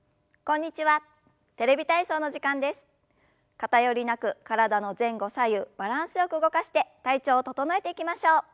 偏りなく体の前後左右バランスよく動かして体調を整えていきましょう。